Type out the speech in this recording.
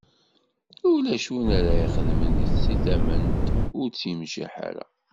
Ulac win ara ixedmen deg tament ur tt-yemciḥ ara.